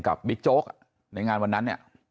กับบิ๊กโจ๊กในงานวันนั้น